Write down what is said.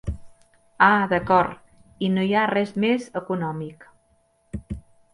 Ah d'acord, i no hi ha res més econòmic.